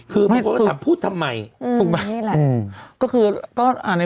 คือเขาคิดว่าเขาสามารถพูดทำไม